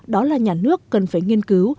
đó là nhà nước cần phải nghiên cứu